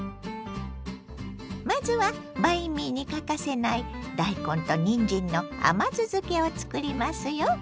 まずはバインミーに欠かせない大根とにんじんの甘酢漬けをつくりますよ。